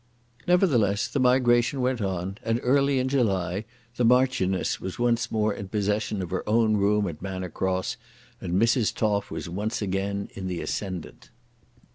Nevertheless, the migration went on, and early in July the Marchioness was once more in possession of her own room at Manor Cross, and Mrs. Toff was once again in the ascendant.